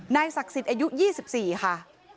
ศักดิ์สิทธิ์อายุ๒๔ค่ะ